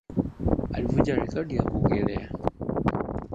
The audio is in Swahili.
Alivunja rekodi ya kuogelea